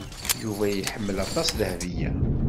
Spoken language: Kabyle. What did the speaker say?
Yuba iḥemmel aṭas Dahbiya.